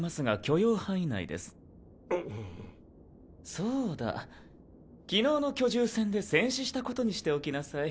そうだ昨日の巨獣戦で戦死したことにしておきなさい。